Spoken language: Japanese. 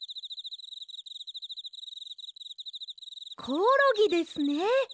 コオロギですね。